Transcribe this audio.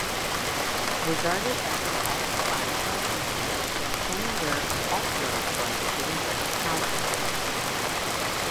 Regarded as a tough fireball pitcher, Cloninger also was a dangerous power hitter.